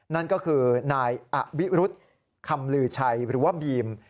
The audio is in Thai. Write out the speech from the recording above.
นั่นก็คือนายอวิรุธคำลือชัยหรือว่าบีม